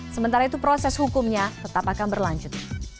sementara itu proses hukumnya tetap akan berlanjut